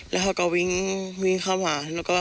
แล้วเขาก็วิ่งเข้ามา